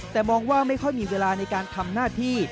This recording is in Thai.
แต่มองว่าไม่ค่อยมีเวลาในการทำหน้าที่